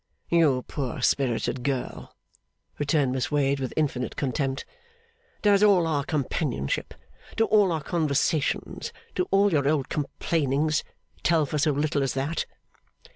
'You poor spirited girl,' returned Miss Wade with infinite contempt; 'does all our companionship, do all our conversations, do all your old complainings, tell for so little as that?